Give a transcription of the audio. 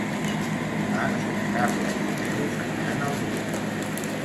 Dimarts na Carla i na Neus aniran al Brull.